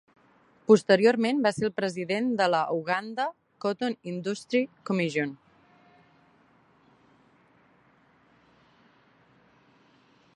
Posteriorment, va ser el president de la Uganda Cotton Industry Commission.